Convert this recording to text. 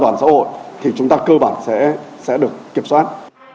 toàn xã hội thì chúng ta cơ bản sẽ được kiểm soát